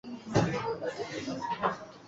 Kule ni kwetu